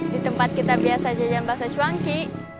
di tempat kita biasa jajan bahasa cuanki